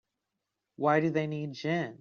Why do they need gin?